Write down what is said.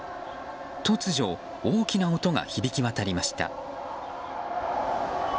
突如、大きな音が響き渡りました。